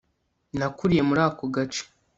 nakuriye muri ako gace